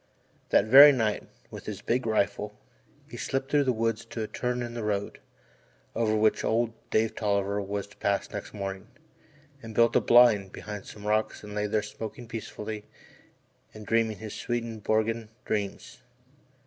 That very night, with his big rifle, he slipped through the woods to a turn of the road, over which old Dave Tolliver was to pass next morning, and built a "blind" behind some rocks and lay there smoking peacefully and dreaming his Swedenborgian dreams.